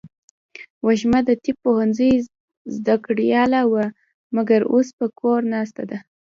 وږمه د طب پوهنځۍ زده کړیاله وه ، مګر اوس په کور ناسته ده.